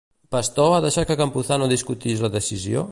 Pastor ha deixat que Campuzano discutís la decisió?